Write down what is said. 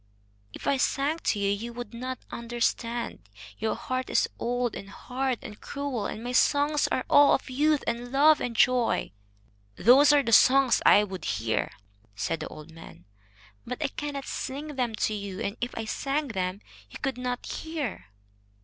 "If I sang to you, you would not understand. Your heart is old and hard and cruel, and my songs are all of youth and love and joy." "Those are the songs I would hear," said the old man. "But I cannot sing them to you, and if I sang them you could not hear."